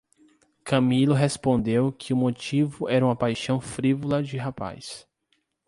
Camilo respondeu que o motivo era uma paixão frívola de rapaz.